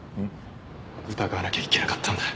疑わなきゃいけなかったんだ。